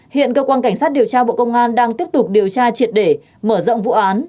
hiện cơ quan cảnh sát điều tra bộ công an đang tiếp tục điều tra triệt để mở rộng vụ án